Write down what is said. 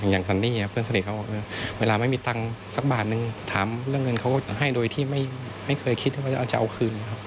อย่างซันนี่เพื่อนสนิทเขาว่าเวลาไม่มีตังค์สักบาทนึงถามเงินเขาก็ให้โดยที่ไม่เคยคิดว่าจะเอาคืน